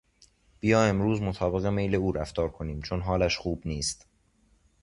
بیا امروز مطابق میل او رفتار کنیم چون حالش خوب نیست.